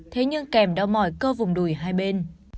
thế nhưng kèm đau mỏi cơ vùng đùi hai bên